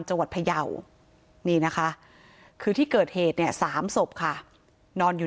จังหวัดพยาวนี่นะคะคือที่เกิดเหตุเนี่ย๓ศพค่ะนอนอยู่